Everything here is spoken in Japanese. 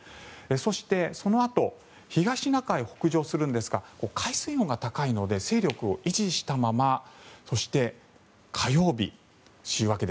そして、そのあと東シナ海を北上するんですが海水温が高いので勢力を維持したままそして火曜日、週明け